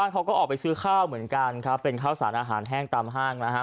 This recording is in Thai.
เขาก็ออกไปซื้อข้าวเหมือนกันครับเป็นข้าวสารอาหารแห้งตามห้างนะฮะ